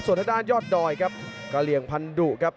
ส่วนทางด้านยอดดอยครับกระเหลี่ยงพันธุครับ